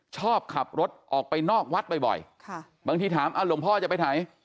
ชอบขับรถออกไปนอกวัดบ่อยบางทีถามหลวงพ่อจะไปไหน